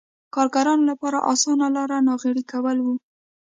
کارګرانو لپاره اسانه لار ناغېړي کول و.